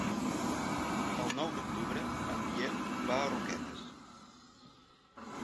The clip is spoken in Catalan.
El nou d'octubre en Biel va a Roquetes.